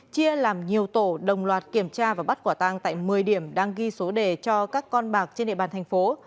chia làm nhiều tổ đồng loạt kiểm tra và bắt quả tang tại một mươi điểm đang ghi số đề cho các con bạc trên địa bàn thành phố